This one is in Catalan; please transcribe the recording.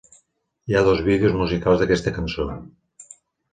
Hi ha dos vídeos musicals d'aquesta cançó.